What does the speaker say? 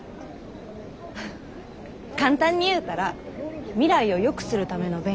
フッ簡単に言うたら未来をよくするための勉強かな。